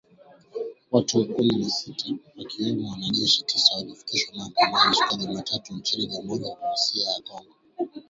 Watu kumi na sita wakiwemo wanajeshi tisa walifikishwa mahakamani siku ya Jumatatu nchini Jamhuri ya Kidemokrasi ya Kongo.